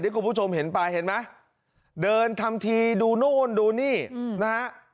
คุณผู้ชมเห็นไปเห็นไหมเดินทำทีดูนู่นดูนี่นะฮะ